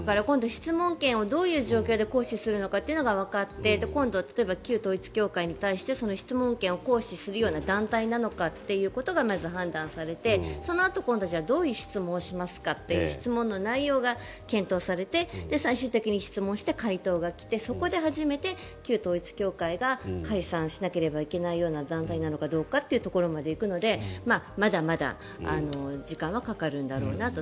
質問権をどういう状況で行使するかということがわかって今度は例えば旧統一教会に対して質問権を行使するような団体なのかということがまず判断されてそのあと今度はどういう質問をしますかっていう質問の内容が検討されて、最終的に質問して回答が来てそこで初めて旧統一教会が解散しなければいけないような団体なのかどうかというところまで行くのでまだまだ時間はかかるんだろうなと。